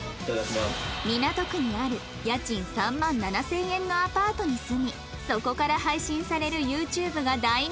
港区にある家賃３万７０００円のアパートに住みそこから配信される ＹｏｕＴｕｂｅ が大人気！